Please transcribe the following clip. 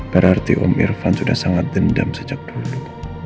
berarti om irfan sudah sangat dendam sejak dulu